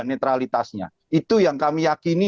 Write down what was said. netralitasnya itu yang kami yakini